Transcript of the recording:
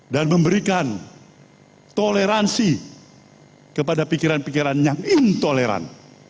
dan memberikan toleransi kepada pikiran pikiran yang intoleran